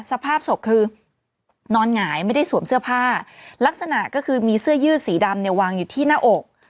สภาพศพคือนอนหงายไม่ได้สวมเสื้อผ้าลักษณะก็คือมีเสื้อยืดสีดำเนี่ยวางอยู่ที่หน้าอก